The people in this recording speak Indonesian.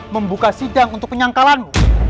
membuka sidang untuk penyangkalanmu